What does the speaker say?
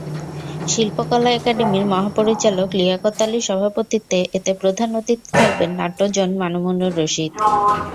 শিল্পকলা একাডেমির মহাপরিচালক লিয়াকত আলীর সভাপতিত্বে এতে প্রধান অতিথি থাকবেন নাট্যজন মামুনুর রশীদ।